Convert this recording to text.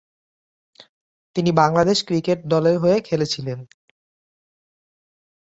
তিনি বাংলাদেশ ক্রিকেট দলের হয়ে খেলেছিলেন।